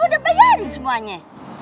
kan gua udah bayarin semuanya